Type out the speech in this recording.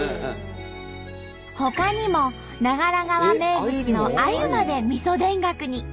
ほかにも長良川名物のアユまでみそ田楽に。